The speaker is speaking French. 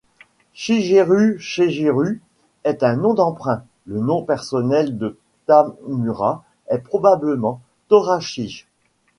Shigeru Shigeru est un nom d'emprunt, le nom personnel de Tamura est probablement Torashige.